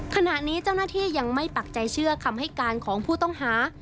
ขณะนี้เจ้าหน้าที่ยังไม่ปักใจเชื่อคำให้การของผู้ต้องหา